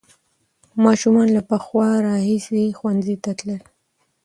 ماشومان له پخوا راهیسې ښوونځي ته تلل.